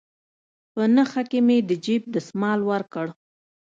په نخښه كښې مې د جيب دسمال وركړ.